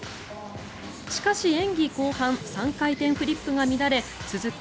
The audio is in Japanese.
しかし、演技後半３回転フリップが乱れ続く